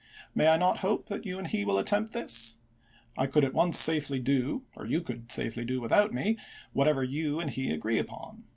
May I not hope that you and he will attempt this f I could at once safely do (or you could safely do without me) whatever you and he agree upon.